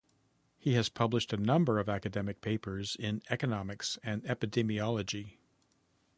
He has published a number of academic papers in economics and epidemiology.